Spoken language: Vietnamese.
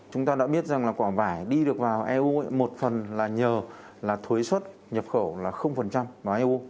chúng ta đã biết rằng là quả vải đi được vào eu một phần là nhờ là thuế xuất nhập khẩu là vào eu